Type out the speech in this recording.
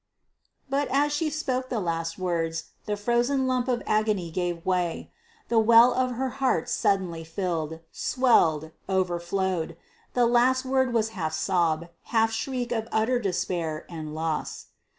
But as she spoke the last words, the frozen lump of agony gave way; the well of her heart suddenly filled, swelled, overflowed; the last word was half sob, half shriek of utter despair and loss.